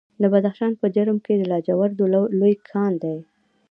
د بدخشان په جرم کې د لاجوردو لوی کان دی.